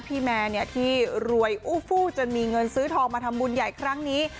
แม่ที่รวยอู้ฟู้จนมีเงินซื้อทองมาทำบุญใหญ่ครั้งนี้